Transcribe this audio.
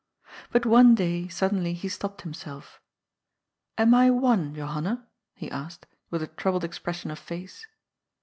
But one day, suddenly, he stopped himself. ''Am I one, Johanna?" he asked, with a troubled expression of face.